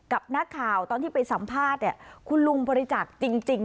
กับหน้าข่าวตอนที่ไปสัมภาษณ์